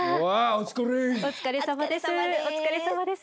お疲れさまです。